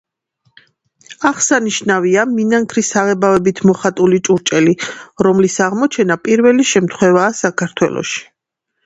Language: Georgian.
აღსანიშნავია მინანქრის საღებავებით მოხატული ჭურჭელი, რომლის აღმოჩენა პირველი შემთხვევაა საქართველოში.